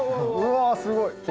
うわすごい。